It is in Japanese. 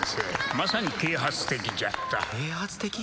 まさに啓発的じゃった啓発的？